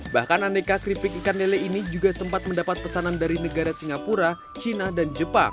bahkan aneka keripik ikan lele ini juga sempat mendapat pesanan dari negara singapura cina dan jepang